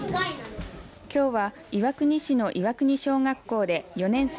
きょうは岩国市の岩国小学校で４年生